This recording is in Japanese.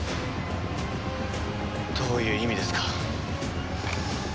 どういう意味ですか？